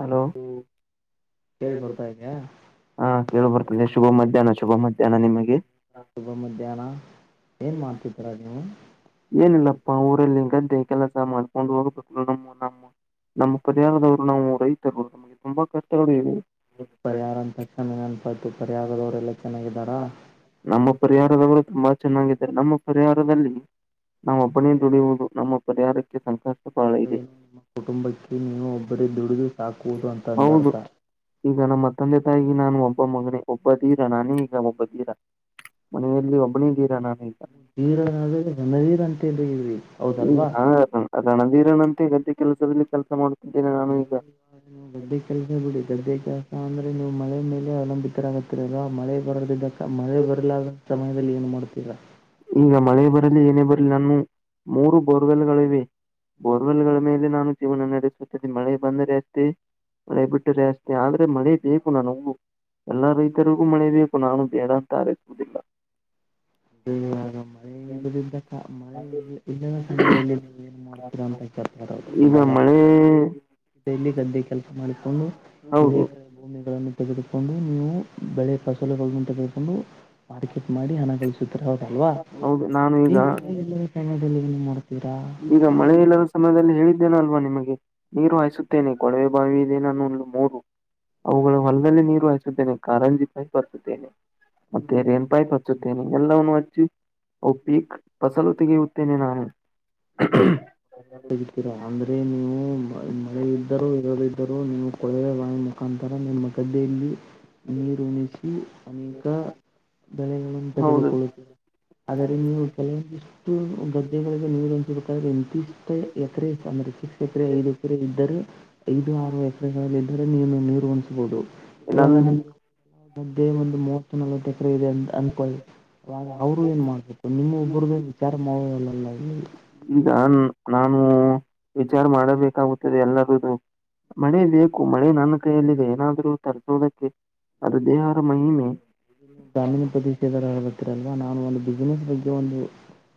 Hello ಕೇಳಿ ಬರ್ತಾ ಇದೆಯಾ ಹ ಕೇಳಬರ್ತ ಶುಭ ಮಧ್ಯಾಹ್ನ ಶುಭ ಮಧ್ಯಾಹ್ನ ನಿಮಗೆ ತುಭ ಮಧ್ಯಾಹ್ನ ಏನ್ ಮಾಡ್ತಿದ್ದೀರಾ ನೀವು ಏನಿಲ್ಲಪ್ಪಾ ಊರಲ್ಲಿ ಗದ್ದೆ ಕೆಲಸ ಮಾಡ್ಕೊಂಡು ಹೋಗ್ಬೇಕ ನಮ್ಮ ನಮ್ಮ ನಮ್ಮ್ ಪದೇಗದವ್ರು ನಾವು ರೈತರು ನಮಗೆ ತುಂಬಾ ಕಷ್ಟಗಳು ಇವೆ ಪರಿಹಾರ ಅಂತಕ್ಷಷಮೆ ನೆನಪಾಯತು ಪರಿಹಾರದವರೆಲ್ಲ ಚೆನ್ನಾಗಿದ್ದಾರಾ ನಮ್ಮ ಪರಿಹಾರದವರು ತುಂಬಾ ಚೆನ್ನಾಗಿದ್ದಾರೆ ನಮ್ಮ ಪರಿಹಾರದಲ್ಲಿ ನಮ್ಮಪ್ಪಣೇ ದುಡಿಯುವುದು ನಮ್ಮ ಪರಿಹಾರಕ್ಕೆ ಸಂಕಷ್ಟ ಬಹಳ ಅ ಇದೆ ಏನು ನಿಮ್ಮ ಕುಟುಂಬಕ್ಕೆ ನೀವು ಒಬ್ಬರೇ ದುಡಿದು ಸಾಕುವುದು ಅಂತ ಹೌದು ಅಂದರ್ಥ ಈಗ ನಮ್ಮ ಮತ್ತೊಂದೆ ತಾಯಿ ನಾನು ಒಬ್ಬ ಮಗನ ಒಬ್ಬ ತೀರಾ ನಾನೇ ಈಗ ಒಬ್ಬ ತೀರ ಮನೆಯಲ್ಲಿ ಒಬ್ಬನೇ ತೀರಾ ನಾನೀ ಈಗ ವೀರ ರಣವೀರ ಅಂತಲ್ಲ ಇದವಿ ಹೌದಲ್ವಾ ಹಾ ರಣಧೀರನಂತೆ ಗದ್ದೆ ಕೆಲಸದಲ್ಲಿ ಕೆಲಸ ಮಾಡ ಅಂದ್ರೆ ಇವ ಗದ್ದೆ ಕೆಲಸ ಬಿಡಿ ಗದ್ದೆ ಕೆಲಸ ಅಂದ್ರೆ ನೀ ಮಳೆ ಮೇಲೆ ಅವಲಂಬಿತರಾಗತ್ತ ಅಲ್ವಾ ಮಳೆ ಬರದಿದ್ದ ಮಳೆ ಬರಲಾದ ಸಮಯ ಏನ್ ಮಾಡ್ತೀರಾ ಈಗ ಮಳೆ ಬರಲಿ ಏನೇ ಬರಲಿ ನಾನು ಮೂರು ಬೋರ್ಗಲ್ಗಳು ಇವೆ ಬೋರ್ವೆಲ್ಗಳ ಮೇಲೆ ನಾನು ಜೀವನ ನಡೆಸುತ್ತದೆ ಮಳೆ ಬಂದರೆ ಅಷ್ಟೇ ಮಳೆ ಬಿಟ್ಟ್ರೆ ಅಷ್ಟೆ ಆದ್ರೆ ಮಳೆ ಬೇಕು ನಾನ ಎಲ್ಲಾ ರೈತರಿಗೂ ಮಳೆಬೇಕೇಕು ನಾನು ಬೇಡ ತಾರೆಸುವುವುದಿಲ್ಲ ಹ ದಿಂದ ಮಳೆಯಲ್ಲಿ ಹ್ಮ ಕ್ರಾಂತತ್ರದು ಈಗ ಮಳೆ ಗದ್ದೆ ಕೆಲಸ ಮಾಡಿಕೊಂಡು ಹೌದು ವಿಲೇಖ ಭೂಮಿಗಳನ್ನು ತೆಗೆದುಕೊಂಡು ನೀವು ಬೆಳೆ ಫಸಲಗಳಳಗ ತೆಗೆದುಕೊಂಡು ಮಾರ್ಕೆಟ್ ಮಾಡಿ ಹಣ ಗಳಿಸುತ್ತ್ರ ಹಲ್ವಾ ಹೌದು ನಾನು ಈಗ ಮಳೆ ಇಲ್ಲ ಸಮಯದಲ್ಲಿ ಮಾಡ ಈಗ ಮಳೆ ಇಲ್ಲದ ಸಮಯದಲ್ಲಿ ಹೇಳಿದ ನಲ್ವಾ ನಿಮಗೆ ನೀರು ಹಾಯಿಸುತ್ತೇನೆ ಕೊಳವೆ ಬಾವಿ ಇದೇ ನಾನ ಮೂರು ಅವುಗಳ ಹೊಲದಲ್ಲಿ ನೀರು ಹಾಯಸುತ್ತೇನೆ ಕಾರಂಜಿ ಪೈಪ್ ಬರ್ಸುತ್ತೇನೆ ಮತ್ತೆ ರೇನ್ ಪೈಪ್ ಬರ್ ಹಚ್ಚುತ್ತೇನೆ ಎಲ್ಲವನ್ನು ಹಚ್ಚಿ ಅ ಪೀಕ್ ಫಸಲು ತೆಗೆಯುತ್ತೇನೆ ನಾನು ತಗಿತೀರಾ ಅಂದ್ರೆ ನೀವು ಮಳೆ ಇದ್ದರೂ ಇರದಿದ್ದರೂ ನೀವು ಕೊಡವೆ ವಾಣಿ ಮುಖಾಂತರ ನಿಮ್ಮ ಗಡ್ಡೆಯಲ್ಲಿ ನೀರು ಉಣಿಸಿ ಅನೇಕ ಬೆಳೆಗಳನ್ನು ಹೌದು ತೆಗೆದುಕೊಳ್ಳುತ್ತುತ್ತದೆ ಆದರೆ ನೀವು ಕೆಲವೊಂದಿಷ್ಟು ಗದ್ದೆಗಳಿಗೆ ನೀ ಇಂತಿಷ್ಟ ಎಕರೆ ಅಂದ್ರರೆ ಸಿಕ್ಸ್ ಎಕರೆ ಐದು ಎಕರೆ ಇದ್ದರೆ ಐದು ಆರು ಎಕರೆಗಳಲ್ಲಿ ನೀನು ನೀರು ಒಣಿಸಬಹುದು ಇವಾಗ ನನ್ ನಿಮೆ ಒಂದು ಮ ನ ಫ್ರೀ ರಂ್ ಅನ್ಕಲ್ ಅವವಾಗ ಅವರು ಏನ್ ಮಾಡ್ಬೇಕು ನಿಮ್ಮ ಒಬ್ಬ್ರ್ದ ವಿಚಾರ ಮಾವಲ್ಲಲ್ಲ ಇಲ್ಲಿ ಈಗ ನಾನು ವಿಚಾರ ಮಾಡಬೇಕಾಗುತ್ತದೆ ಎಲ್ಲರಗು ಮಳೆ ಬೇಕು ಮಳೆ ನನ್ನ ಕೈಯಲ್ಲಿದೆ ಏನಾದ್ರೂ ತರ್ಸೋದಕ್ಕೆ ಅದು ದೇಹಾರ ಮಹಿಮೆ ಇನು ಗ್ರಾಮೀಣ ಪ್ರದೇಶದವರು ಹಳ್ ಬರ್ತಿೀರಲ್ವಾ ನಾನು ಒಂದು ಬಿಸಿನೆಸ್ ಬಗ್ಗೆ ಒಂದು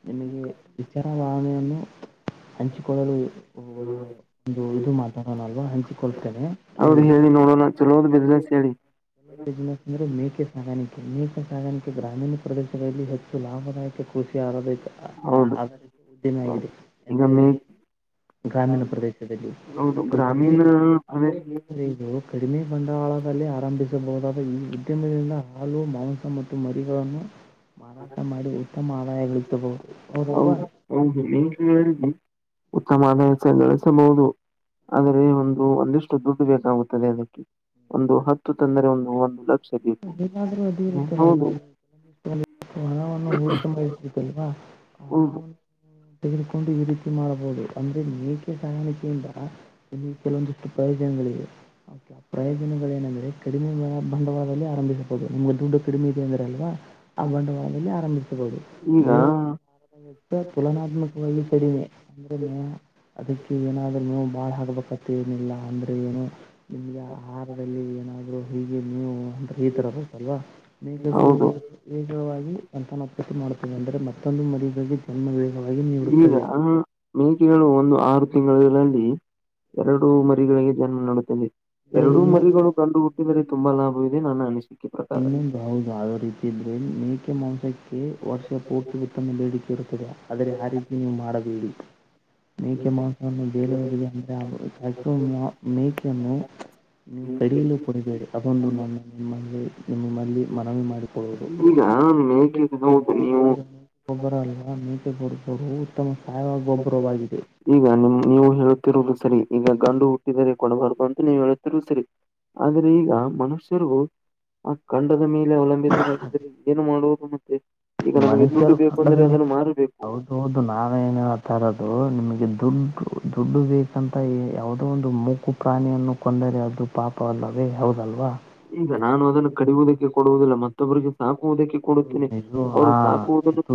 ನಿಮಗೆ ವಿಚಾರ ಭಾವನೆಯನ್ನು ಹಂಚಿಕೊಳ್ಳಲು ಒಂದು ಇದು ಮಾತಾಡೋಣಲ್ವ ಹಂಚಿಕೊಳ್ತೇನೆ ಕೇಳಿ ನೋಡಣ ಚಲೋದು ಬಿಸ್ನೆಸ್ ಹೇಳಿ ಎ ಬಿಸ್ನೆಸ್ ಅಂದ್ರೆ ಮೇಕೆ ಸಾಗಾಣಿಕೆ ಮೀೇಕೆ ಸಾಗಾಣಿಕೆ ಗ್ರಾಮೀಣ ಪ್ರದೇಶಗಳಲ್ಲಿ ಹೆಚ್ಚು ಲಾಭದಾಯಕ ಕೃಷಿ ಆಾರದ ಹೌದು ಅದರ ಉದ್ದಿಮೆ ಆಗಿದೆ ಈಗ ಎಂದ್ರೆ ಮೇ ಇಲ್ಲಿಲ್ಲಿ ಗ್ರಾಮೀಣ ಪ್ರದೇಶದಲ್ಲಿ ಹೌದು ಕಡಿಮೆ ಗ್ರಾಮೀಣ ಅದೇ ಇ ಕಡಿಮೆ ಬಂಡವಾಳದಲ್ಲಿ ಆರಂಭಿಸಬಹುದಾದ ಈ ಉದ್ಯಮಿಂದ ಹಾಲು ಮಾಂಸ ಮತ್ತು ಮರಿಗಳನ್ನು ಮಾರಾಟ ಮಾಡಿ ಉತ್ತಮ ಆದಾಯಗಳತ್ತಬಹುದು ಹದು ಹದು ನೀ ಹೇಳ ಉತ್ತಮ ಆದಯಸ ನಡೆಸಬಹುದು ಆದರೆ ಒಂದು ಒಂದಿಷ್ಟು ದುಡ್ಡು ಬೇಕಾಗುತ್ತದೆ ಅದಕ್ಕೆ ಒಂದು ಹತ್ತು ತಂದರೆ ಒಂದು ಒಂದು ಲಕ್ಷ ಬೇಕು ಹೇಗಾದ್ರೂ ಅದು ಹೌದು ಇರುತ್ತಲ್ವಾ ಹಣವನ್ನು ಹೂಡಕಂಬರುತ್ತಲ್ವಾ ಹ್ಮ ತೆಗೆದುಕೊಂಡು ಈ ರೀತಿ ಮಾಡಬಹುದು ಅಂದ್ರೆ ಮೇಕೆ ಸಾಯಾಣಿಕೆಯಿಂದ ಇಲ್ಲಿ ಕೆಲವೊಂದಿಷ್ಟು ಪ್ರಯೋಜನಗಳಿವೆೆ ಆ ಪ್ರಯೋಜನಗಳು ಏನಂದ್ರೆ ಕಡಿಮೆ ಬಂಡವಾಾರ ಆರಂಭಿಸಬಹುದು ನಿಮ್ಗೆ ದುಡ್ಡು ಕಡಿಮೆ ಇದೆ ಅಂದರೆ ಅಲ್ವಾ ಆ ಬಂಡವಾಾದಲ್ಲಿ ಆರಂಭಿಸಬಹುದು ಈಗ ನೀವು ತುಲನಾತ್ಮಕವಾಗಿ ಸಡಿಮೆ ಅಂದ ಅದಕ್ಕೆ ಏನಾದ್ೂ ನೋವು ಬಾಳ್ ಹಾಬೇಕತ್ತ ಏನಿಲ್ಲ ಅಂದ್ರೆ ಏನು ನಿಮ್ಗೆ ಆಹಾರದಲ್ಲಿ ಏನಾದರೂ ಹೀಗೆ ನೀವು ಈ ತರಲ್ವಾ ವೇಗಗಳು ಹೌದು ವೇಗವಾಗಿ ಅಂತನ ಮಾಡುತ್ತೇವೆ ಅಂದ್ರೆ ಮತ್ತೊಂದು ಮದ ಬ ಈಗ ಮೇಕೆಗಳು ಒಂದು ಆರು ತಿಂಗಳಲ್ಲಿ ಎರಡು ಮರಿಗಳಿಗೆ ಜನ್ಮ ನಡುತ್ತದೆ ಅಂದರೆ ಎರಡೂ ಇನ್ನೊಂದು ಮರಿಗಳು ಕಂಡು ಹುಟ್ಟಿದರೆ ತುಂಬಾ ಲಾಭವದೆ ನಾನು ಅನಿಸೆ ಇನ್ನೊಂದು ಬವು ಜಾವ ರೀತ ಇದ್ರೆ ಮೇಕೆ ಮಾಂಸಕ್ಕೆ ವರ್ಷ ಪೂರ್ತಿ ಉತ್ತಮ ಬೇಡಿಕೆ ಇರುತ್ತದೆ ಆದರೆ ಆ ರೀತಿ ನೀವು ಮಾಡಬೇಡಿ ಮೇಕೆ ಮಾಂಸವನ್ನು ಬೇರೆಯವರಿಗೆ ಅಂದ್ರೆ ಕಚ ಮೇಕೆಯನ್ನು ನೀವು ಕಡಿಯಲುೂ ಕುಡಿಬೇಡಿ ಅೊಂದು ನನ್ನ ನಿಮ್ಮ ನಿಮ್ಮಲ್ಲಿ ಮನವಿ ಮಾಡಿಕ ನೀ ಈಗ ನೇಕಿಗೆ ಹೌದು ಗೊ ನೀವು ಅಂದ್ರೆ ನೀ ಗೊಬ್ಬರ ಅಲ್ವಾ ನೀಟಡ ಬಹ ಉತ್ತಮ ಸಾವಯವ ಗೊಬ್ಬರವಾಗಿದೆ. ಈಗ ನಿಮ ನೀವು ಹೇಳ ಸರಿ ಈಗ ಗಂಡು ಹುಟ್ಟಿದರೆ ಕೊಡಬಾರು ಅಂತ ನೀವು ಹೇುತ್ತಿರುವುದು ಸರಿ ಆದ್ರೆ ಈಗ ಮನುಷ್ಯರು ಆ ಖಂಡದ ಮೇಲೆ ಅವಲಂಬಿತವಾಗಿದ್ದರೆ ಏನು ಮಾಡುವುದು ಮತ್ತೆ. ಈಗ ನಮಗೆ ದುಡ್ಡು ಮನುಷ್ಯರು ಬೇಕು ಕಂಡ ಅಂದ್ರೆ ಅದನ್ನು [unintelligible] ಮಾರಬೇಕು ಹೌದು ಹೌದು ನಾನ ಏನ ತರದು ನಿಮ್ಗೆ ದುಡ್ ದುಡ್ಡು ಬೇಕಂತ ಯಾವುದೋ ಒಂದು ಮೂಕು ಪ್ರಾಣಿಯನ್ನು ಕೊಂದ್ ದರೆ ಅದು ಪಾಪ. ಈಗ ನಾನು ಅದನ್ನು ಕುಡಿಯುವುದಕ್ಕೆ ಕೊಡುವುದಿಲ್ಲ ಮತ್ತೊಬ್ರರಿಗೆ ಸಾ- - ಹ್ಮ ಇದು ಹಾ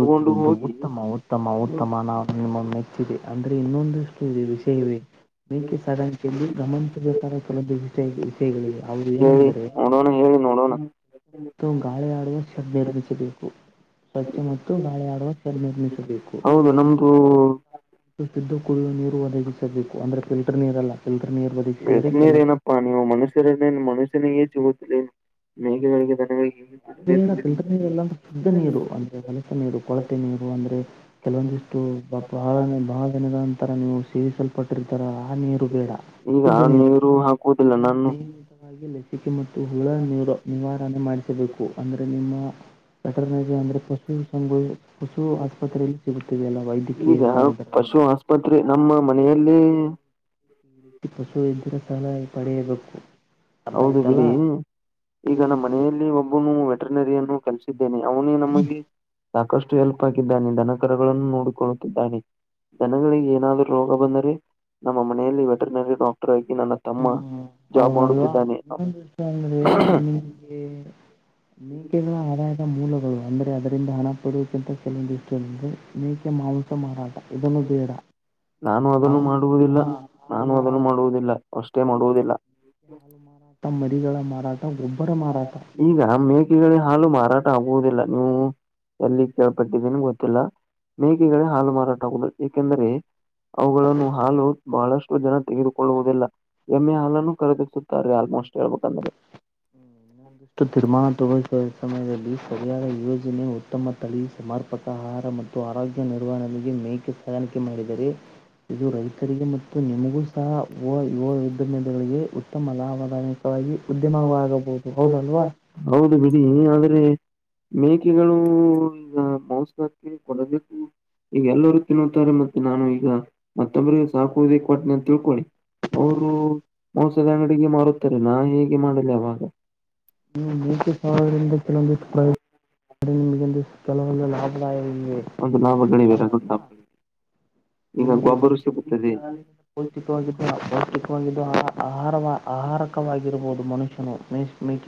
ತಗೊಂಡು ಹೋಗಿ ಉತ್ತಮ ಉತ್ತಮ ಉತ್ತಮ ನಾವು ನಿಮ್ಮೊಮ್ಮೆಚ್ಚಿ ದೆ ಅಂದ್ರೆ ಇನ್ನೊಂದಷ್ಟು ವಿಷಯವೇ ಎಕೆ ಸಡನ್ ಚೆನ್ ಜು [unintelligible] ವಿಷೆಗಳಿವೆ ಅವ್ರು ಹೇಳಿ ಏನೆಂದರೆ ನೋಡೋಣ ಹೇಳಿ ನೋಡೋಣ ಮತ್ತು ಗಾಳಿ ಆಡುವ [unintelligible] ಸ್ವಚ್ಛ ಮತ್ತು ಗಾಳಿ ಆಡುವ ನಿರ್ಮಿಸಬೇಕು. ಹೌದು ನಮ್ದು ಶುದ್ದ ಕುಡಿಯುವ ನೀರು ಒದಗಿಸಬೇಕು. ಅಂದ್ರೆ ಫಿಲ್ಟರ್ ನೀರಲ್ಲ ಫಿಲ್ಟರ್ ನೀರು ಒದಗಿಸಿದರೆ [unintelligible] ಕೆಲವು ನಿಮ್ಮ ಮನುಷ್ಯರಿಗೆ ಮನುಷ್ಯನಿಗೆ ತಿ ಮೇಘಗಳಿಗೆ [unintelligible] ಬೇಡ ಫಿಲ್ಟರ್ ನೀರೆಲ್ಲಾ ಅಂದ್ರೆ ಶುದ್ಧ ನೀರು ಅಂದ್ರೆ ಹೊಲಸ ನೀರು ಕೊಳತೆ ನೀರು ಅಂದ್ರೆ ಕೆಲವೊಂದಿಷ್ಟು. ಹು ಬಳನೆ ಬಹಳ ದಿನದ ನಂತರ ನೀವು ಸೇರಿಸಲ್ಪಟ್ಟಿರ್ ತರ ನೀರು ಬೇಡ ಈಗ ಶುದ್ಧ ನೀರು. ಹಾಕುವುದಿಲ್ಲ ನಾನು ನಿಯಮಿತವಾಗಿ ಲಸಿಕೆ ಮತ್ತು ಹುಳ ನೀರು ನಿವಾರಣೆ ಮಾಡಿಸಬೇಕು. ಅ ನಿಮ್ಮ ವೆಟರ್ನರಿ ಅಂದ್ರೆ ಪಶು ಸಂ ಪಶು ಆಸ್ಪತ್ರೆಯಲ್ಲಿ ಸಿಗುತ್ತಿದೆ ಎಲ್ಲ ವೈದ್ಯಕೀಯ ಈಗ ಸಹ- ಪಶು ಆಸ್ಪತ್ರೆ ನಮ್ಮ ಮನೆಯಲ್ಲಿ. ಪಶು ಇದ್ರೆ ಹೌದು ಆಯ್ತಲ್ಲ ಬಿಡಿ ಈಗ ನಮ್ಮ ಮನೆಯಲ್ಲಿ ಒಬ್ಬನು ವೆಟನರಿಯನ್ನು ಕಲಿಸಿದ್ದೇನೆ ಅವನು ನಮಗೆ. ಸಾಕಷ್ಟು ಹೆಲ್ಪ್ ಆಗಿದ್ದಾನೆ ಧನಕರಗಳನ್ನು ನೋಡಿಕೊಳ್ಳುತ್ತಿದ್ದಾನೆ. ಜನಗಳಿಗೆ ಏನಾದ್ರು ರೋಗ ಬಂದರೆ ನಮ್ಮ ಮನೆಯಲ್ಲಿ ವೆಟ್ರನರಿ ಡಾಕ್ಟರ್ ಆಗಿ ನ ಹ್ಞೂ ತಮ್ಮ ಜಾಬ್ ಹೌದಲ್ವಾ ಮಾಡುತ್ತಿದ್ದಾನೆ. ಇನ್ನೊಂದು ವಿಷಯ ಅಂದರೆ ನಿಮಗೆ ಮೇಕೆಗಳ ಆದಾಯದ ಮೂಲಗಳು ಅಂದ್ರೆ ಅದರಿಂದ ಹಣ ಪಡುವಕ್ಕಿಂತ ಕೆಲವೊಂದು ಇಷ್ಟುಂದ್ರೆ. ಮೇಕೆ ಮಾಂಸ ಮಾರಾಟ ಇದನ್ನು ಬೇಡ. ನಾನು ಅದನ್ನು ಹಾಲು ಮಾಡುವುದಿಲ್ಲ ಹಾಲು ನಾನು ಅದನ್ನು ಮಾಡುವುದಿಲ್ಲ ಅಷ್ಟೇ ಮಾಡುವುದಿಲ್ಲ. ತ ಮರಿಗಳ ಮಾರ ಈಗ ನಮ್ ಮೇಕೆಗಳ ಹಾಲು ಮಾರಾಟ ಆಗುವುದಿಲ್ಲ ನೀವು. ಎಲ್ಲಿ ಕೇಳ್ಪಟ್ಟಿದ್ದೇನೆ ಗೊತ್ತಿಲ್ಲ ಮೇಕೆಗಳ ಹಾಲು ಮಾರಾಟ ಆಗುದು ಏಕೆಂದ್ರೆ. ಅವುಗಳನ್ನು ಹಾಲು ಬಹಳಷ್ಟು ಜನ ತೆಗೆದುಕೊಳ್ಳುವುದಿಲ್ಲ. ಎಮ್ಮೆ ಹಾಲನ್ನು ಖರೀದಿಸುತ್ತಾರೆ ಆಲ್ಮೋಸ್ಟ್ ಹೇಳ್ಬೇಕಂದ್ರೆ. [unintelligible] ತೀರ್ಮಾನ [unintelligible] ಸಮಯದಲ್ಲಿ ಸರಿಯಾರ ಯೋಜನೆ ಉತ್ತಮ ತಳಿ ಸಮರ್ಪಕ ಆಹಾರ ಮತ್ತು ಆರೋಗ್ಯ ನಿರ್ವಹಣೆಗೆ ಮೇಕೆ ಸಾ ಆಯ್ಕೆ ಮಾಡಿದರೆ. ಇದು ರೈತರಿಗೆ ಮತ್ತು ನಿಮಗೂ ಸಹ ಓ ಯುವ ಯುದ್ಧಮಂದಗಳಿಗೆ ಉತ್ತಮ ಲಾಭದಾಯ. ವಾಗಿ ಉದ್ಯಮವ ಹೌದು ಬಿಡಿ ಆದ್ರೆ. ಮೇಕೆಗಳು ಈಗ ಮಾಂಸಕ್ಕೆ ಕೊಡಬೇಕು. ಈಗ ಎಲ್ಲರೂ ತಿನ್ನುುತ್ತಾರೆ ಮತ್ತೆ ನಾನು ಈಗ ಮತ್ತೊಬ್ಬ್ರರಿಗೆ ಸಾಕುವುದೇ ಕೊಟ್ಟನ ಅಂತ ತಿಳ್ಕೊಳ್ಳಿ. ಅವರು ಮೋಸದ ಅಂಗಡಿಗೆ ಮಾರುತ್ತಾರೆ ನಾ ಹೇಗೆ ಮಾಡಿಲ್ಲ ಅವಾ - ನೀ ನೀತಿ ಸಗಳಿಂದ ಕೆಲವೊಂದಿಷ್ಟು [unintelligible] ಕೆಲವೊಂದು ಲಾಭದಾಯ ಒಂದು ಲಾಭಗಳೇ ಬೇರೆ ಅದೊಂದು ಲಾಭ [unintelligible] ಈಗ ನಿಮಗೆ ಗೊಬ್ಬರ ನೀತಿ ಸಿಗುತ್ತದೆ ಹಾಲಿನಿಂದ ಪೌಷ್ಟಿಕವಾಗಿದ್ದ. ವ ಆಹಾರ ಆಹಾರಕವಾಗಿರಬಹುದು ಮನುಷ್ಯನು [unintelligible]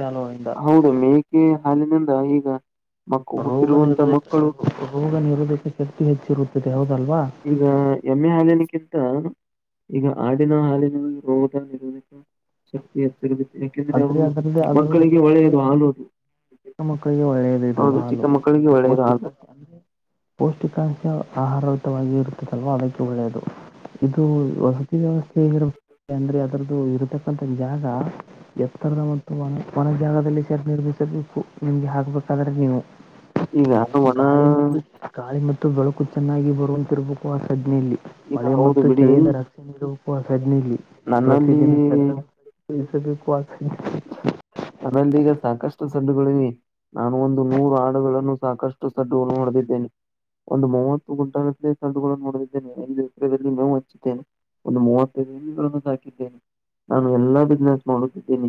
ಹೌದು ಮೇಕೆ ಹಾಲಿನಿಂದ ಈಗ ಮಕ್ಕ ರೋಗ ಹುಟ್ಟಿರುವಂತ ನಿರೋಧಕ ಮಕ್ಕಳು ರೋಗ ನಿರೋಧಕ ಶಕ್ತಿ ಹೆಚ್ಚಿರುತ್ತದೆ ಹೌ ಈಗ ಎಮ್ಮೆ ಹಾಲಿನಗಿಂತ. ಈಗ ಆಡಿನ ಹಾಲಿನಲ್ಲಿ ರೋಗದ ನಿರೋಧಿತ ಶಕ್ತಿ ಇರುತ್ತದೆ. ಯಾಕೆಂದ್ರೆ ಆದ್ರೆ ಅದು ಅದ್ರದ್ದೇ ಅದ್ರ ಮಕ್ಕಳಿಗೆ ಒಳ್ಳೆಯದು ಹಾಲು. ಚಿಕ್ಕ ಮಕ್ಕಳಿಗೆ ಒಳ್ಳೆಯದ ಇದು ಹೌದು ಹಾಲು ಚಿಕ್ಕ ಮಕ್ಕಳಿಗೆ ಅಂದ್ರೆ ಒಳ್ಳೆಯದು ಹಾಲು ಪೌಷ್ಟಿಕಾಂಶ ಅಂದ್ರೆ ಪೌಷ್ಟಿಕಾಂಶ ಆಹಾರ. ಆರಹಿತವಾಗಿ ಇರುತ್ತದಲ್ವೋ ಅದಕ್ಕೆ ಒಳ್ಳೆಯದು. ಇದು ವಸತಿ ವ್ಯವಸ್ಥೆ ಹೇಗಿರ್ಬ ಅಂದ್ರೆ ಅದ್ರದ್ದು ಇರತಕ್ಕಂಥ ಜಾಗ. ಎತ್ತರದ ಮತ್ತು ಮನೆ ಜಾಗದಲ್ಲಿ ಸರ್ ನಿರ್ಮಿಸಬೇಕು. ನಿಮ್ಗೆ ಹಾಕ್ಬೇಕಾದ್ರೆ ನೀವು ಈಗ ಒಣ ಗಾಳಿ ಮತ್ತು ಗಾಳಿ. ಮತ್ತು ಬೆಳಕು ಚೆನ್ನಾಗಿ ಬರುವಂತಿರಬೇಕು ಆ ಸಜನಲ್ಲಿ ಈಗ ಮಳೆ ಹೌದು ಮತ್ತು ಬಿಡಿ ಚಳಿಯಿಂದ ರಕ್ಷೆ ನೀಡುವ. ನನ್ನಲ್ಲಿ ಪ್ರತಿದಿನ ಚಿಸಬೇಕು ಆ ಆಮೇಲೆ ಈಗ ಸಾಕಷ್ಟು. ಸಡ್ಡುಗಳಿವೆ ನಾನು ಒಂದು ನೂರು ಆಡುಗಳನ್ನು ಸಾಕಷ್ಟು ಸಡ್ಡುಗಳನ್ನು ನಡೆದಿದ್ದೇನೆ. ಒಂದು ಮೂವತ್ತು ಗುಂಟಾಲ ತಂಡುಗಳನ್ನು ನೋಡುತ್ತಿದ್ದೇನೆ ಐದು ಎಪ್ರಲ್ಲಿ ಮೇವು ಹಚ್ಚಿದ್ದೇನೆ. ಒಂದು ಮೂವತ್ತೈದುಗಳನ್ನು ಹಾಕಿದ್ದೇನೆ ನಾನು ಎಲ್ಲಾ ಬಿಸ್ನೆಸ್ ಮಾಡುತ್ತಿದ್ದೇನೆ.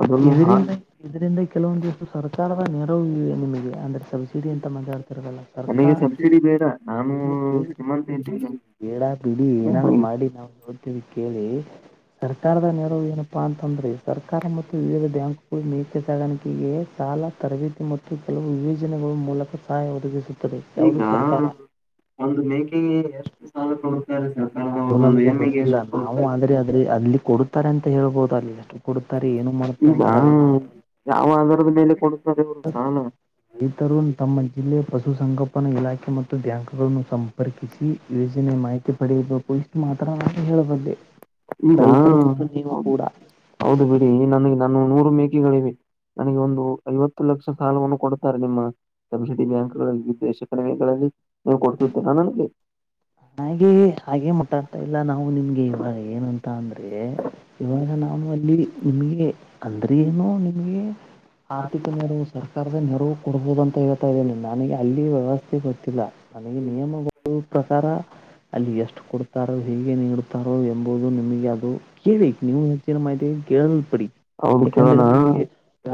ಅದನ್ನು ಹಾ ಇದರಿಂದ ಇದರಿಂದ ಕೆಲವೊಂದ ದಿವಷ್ಟು ಸರ್ಕಾರದ ನೆರವು ಇದೆ ನಿಮಗೆ ಅಂದ್ರೆ ಸಬ್ಸಿಡಿ ಅಂತ ಮಾತಾಡ್ತಿರಲ್ಲ ಸರ್ಕಾರ. ನನಗೆ ಕೇಳಿ ಸಬ್ಸಿಡಿ ಬೇಡ ನಾನು ಕೇಳಿ ಶ್ರೀಮಂತ ಕೇಳಿ ಇದ್ದೀನಿ ಬೇಡ ಬಿಡಿ ಏನಾದ್ರೂ ಮಾಡಿ ನಾವು ನೋಡ್ತೇವಿ. ಕೇಳಿ ಸರ್ಕಾರದ ನೆರವು ಏನಪ್ಪಾ ಅಂತಂದ್ರೆ ಸರ್ಕಾರ ಮ [unintelligible] ಶಾಲಾ ತರಬೇತಿ ಮತ್ತು ಕೆಲವು ವಿಭೋಜನೆಗಳು ಮೂಲಕ ಸಹಾಯ ಒದಗಿಸ ಈಗ ಒಂದು ಮೇಕೆಗೆ ಎಷ್ಟು ಸಾಲ ಕೊಡತಾರೆ ಸರ್. ಅದು ನಮ್ಗೆ ಗೊತ್ತಿಲ್ಲ ನಾವು ಆದ್ರೆ ಆದ್ರೆ ಅಲ್ಲಿ ಕೊಡುತ್ತಾರೆ ಅಂತ ಹೇಳ್ಬೋುದು ಅಲ್ಲಿ ಎಷ್ಟು ಕೊುತ್ತ. ಈಗ ಯಾವ ಆಧಾರದ ಮೇಲೆ ಕೊ ರೈತರು ತಮ್ಮ ಜಿಲ್ಲೆ ಪಶುಸಗೋಪನಾ ಇಲಾಖೆ ಮತ್ತು ಬ್ಯಾಂಕ್ಗಳನ್ನು ಸಂಪರ್ಕಿಸಿ. ಯೋಜನೆ ಮಾಹಿತಿ ಪಡಿೆಯಬೇಕು ಇಷ್ಟು ಮಾತ್ರ ಹೇಳಬೆ ಈಗ ಹೌದು ಹೌದು ಬಿಡಿ ನನಗೆ ನಾನು ನೂರು ಮೇಕೆಗಳಿವೆ. ನನಗೆ ಒಂದು ಐವತ್ತು ಲಕ್ಷ ಸಾಲವನ್ನು ಕೊಡುತ್ತಾರೆ ನಿಮ್ಮ ಸಬ್ಸಿಡಿ ಬ್ಯಾಂಕ್ಗಳಲ್ಲಿ ವಿದೇಶ ಕಡಿವೆಗಳಲ್ಲಿ. ನೀವು ಕೊಡ್ಸುತ್ತೇರ ನನಗೆ. ಹಾಗೆ ಹಾಗೆ ಮಟಾತ ಇಲ್ಲ ನಾವು ನಿಮ್ಗೆ ಇವಾಗ ಏನುಂತ ಅಂದ್ರೆ. ಮೆ ಇವಾಗ ನಾನು ಅಲ್ಲಿ ನಿಮ್ಗೆ ಅಂದ್ರ ಏನು ನಿಮ್ಗೆ. ಆರ್ಥಿಕ ನೆರವು ಸರ್ಕಾರದ ನೆರವು ಕೊಡ್ಬೋುದು ಅಂತ ಹೇಳೆ ೇನೆ ನನಗೆ ಅಲ್ಲಿ ವ್ಯವಸ್ಥೆ ಗೊತ್ತಿಲ್ಲ ನನಗೆ ನಿಯಮಗಳು. ಪ್ರಕಾರ ಅಲ್ಲಿ ಎಷ್ಟು ಕೊಡ್ತಾರೋ ಹೇಗೆ ನೀಡುತ್ತಾರೋ ಎಂಬುದು ನಿಮಗೆ ಅದು. ಕೇಳಿಕ್ ನೀವು ಹೆ ಗೆಲ್ ಪಡಿ ಹೌದು ಕೇಳೋಣ ಯಾಕಂದ್ರೆ ನಿಮಗೆ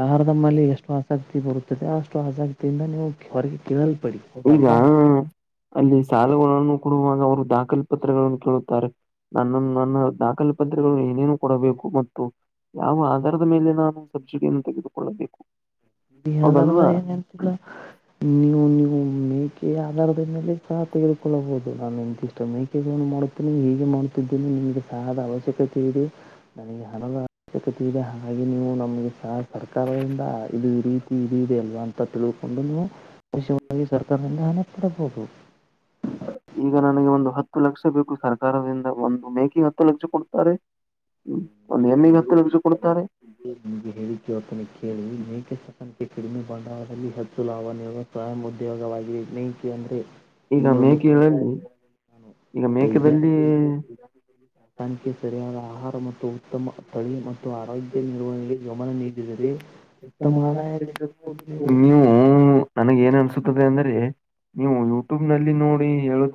ಆಹಾರದ ಮೇಲೆ ಎಷ್ಟು. ಆಸಕ್ತಿ ಬರುತ್ತದೆ ಅಷ್ಟು ಅಗ್ತಿ ಇಿಂದ ನೀವು ಹೊರಗೆ ಕಲ್ ಪಡಿ ಈಗ ಹದಲ್ವಾ. ಅಲ್ಲಿ ಕೊಡುವಾಗ ಅವರು ದಾಖಲ್ ಪತ್ರಗಳನ್ನು ಕೇಳುತ್ತಾರೆ ನನ್ನ ನನ್ನ ದಾಖಲ್ ಪತ್ರಗಳು ಏನೇ. ಕೊಡಬೇಕು ಮತ್ತು ಯಾವ ಆಧಾರದ ಮೇಲೆ ನಾನು ಸಬ್ಸಿಡಿಯನ್ನು ತೆಗೆದುಕೊಳ್ಳಬೇಕು. ಇ ಆಧಾರದ ಹೌದಲ್ವಾ ಏನ್ಂತಲ್ಲ ನೀವು ನೀವು ಮೇಕೆ ಆಧಾರದ ಮೇಲೆ ಸಹ. ತೆಗೆದುಕೊಳ್ಳಬಹುದು ನಾನು ನಿಂತಿಷ್ಟೊ ಮೇಕಜಗಳನ್ನು ಮಾಡುತ್ತೇನೆ ಹೀಗೆ ಮಾಡುತ್ತಿದ್ದೀನೆಿ ನಿಮಗೆ ಸಹ ಆದ ಅವಶ್ಯಕತೆ ಇದೆ. ನನಗೆ ಹಣದ ಅವಶ್ಯಕತೆ ಇದೆ ಹಾಗೆ ನೀವು ನಮಗೆ ಸ ಸರ್ಕಾರದಿಂದ. ಇದು ಈ ರೀತಿ ಇ ಇದೆ ಅಲ್ವಾ ಅಂತ ತಿಳ್ಕೊಂಡು ನೀವು ವಿವಾಗಿ ಸರ್ಕಾರದಿಂದ ಹಣ ಕೊಡಬಹುದು. ಈಗ ನನಗೆ ಒಂದು ಹತ್ ಹತ್ತು ಲಕ್ಷ ಬೇಕು ಸರ್ಕಾರದಿಂದ ಒಂದು ಮೇಕೆ ಹತ್ತು ಲಕ್ಷ ಕೊಡ್ತಾರೆ ಹ್ಮ. ಒಂದು ಎಮ್ಮಿ ಹತ್ತ ಕೊ ನಿಮ್ಗೆ ಹೇಳಿ ಜೋತನ ಕೇಳಿ ಮೇಕೆ ಸಕನ್ಕ್ಕೆ ಕಡಿಮೆ ಮಾಡ ಅವರಲ್ಲಿ. ಚುಲಾವಣೆಯ ಸ್ವಯಂ ಉದ್ಯೋಗವಾಗಿ. ಅಂದ್ರೆ ಈಗ ಇಲ್ಲಿಗೆ ಒಂದು. ಮೇಕೆಗಳಲ್ಲಿ ನಾನು ಈಗ ಮೇಕದಲ್ಲಿ. ಾನಕ್ಕೆ ಸರಿಯಾದ ಆಹಾರ ಮತ್ತು ಉತ್ತಮ ತಳಿ ಮತ್ತು ಆರೋಗ್ಯ ನಿರ್ವಹಣೆಗೆ ಗಮನ ನೀಡಿದೆ. ನೀವು ನನಗ ಏನ್ ಅನ್ಸುತ್ತ [unintelligible] ಅಂದ್ರೆ ನೀವು ಯೂಟ್ಯೂಬ್ ನಲ್ಲಿ ನೋಡಿ ಹೇಳ